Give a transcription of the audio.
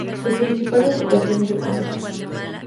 Su principal ocupación es el comercio.